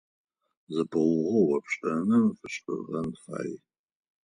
Зэпыугъо ӏофшӏэным фэшӏыгъэн фай.